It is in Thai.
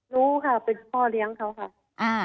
รู้ค่ะเป็นพ่อเลี้ยงเขาค่ะ